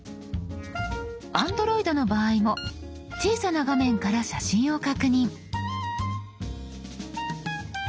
Ａｎｄｒｏｉｄの場合も小さな画面から写真を確認。